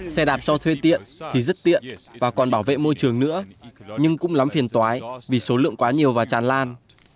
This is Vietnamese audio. xe đạp cho thuê tiện thì rất tiện và còn bảo vệ môi trường nữa nhưng cũng lắm phiền tói vì số lượng quá nhiều và chán lan